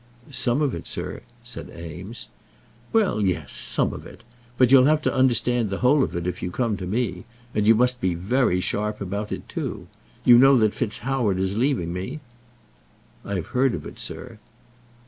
"Some of it, sir," said Eames. "Well, yes; some of it. But you'll have to understand the whole of it if you come to me. And you must be very sharp about it too. You know that FitzHoward is leaving me?" "I have heard of it, sir."